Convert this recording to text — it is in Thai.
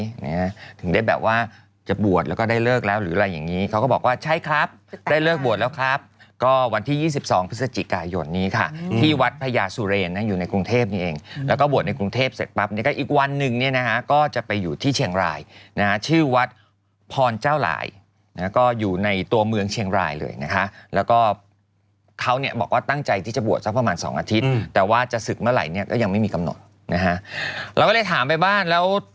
ได้ขนาดไหนถึงได้แบบว่าจะบวชแล้วก็ได้เลิกแล้วหรืออะไรอย่างนี้เขาก็บอกว่าใช่ครับได้เลิกบวชแล้วครับก็วันที่๒๒พฤศจิกายนนี้ค่ะที่วัดพญาสุเรนอยู่ในกรุงเทพนี้เองแล้วก็บวชในกรุงเทพเสร็จปั๊บนี้ก็อีกวันหนึ่งเนี่ยนะฮะก็จะไปอยู่ที่เชียงรายนะฮะชื่อวัดพรเจ้าหลายก็อยู่ในตัวเมืองเชียงร